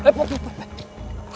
eh putih putih putih